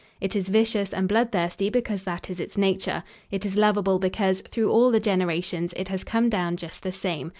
It is vicious and bloodthirsty because that is its nature. It is lovable because, through all the generations, it has come down just the same.